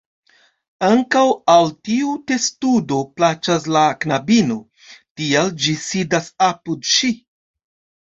Ankaŭ al tiu testudo plaĉas la knabino, tial ĝi sidas apud ŝi.